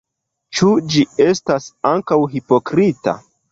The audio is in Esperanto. Ĉu ĝi estas ankaŭ hipokrita?